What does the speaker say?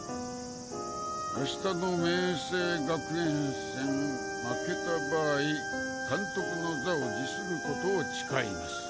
明日の明青学園戦負けた場合監督の座を辞することを誓います。